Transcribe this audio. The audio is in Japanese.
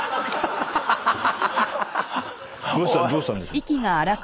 どうしたんでしょう？